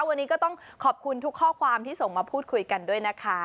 วันนี้ก็ต้องขอบคุณทุกข้อความที่ส่งมาพูดคุยกันด้วยนะคะ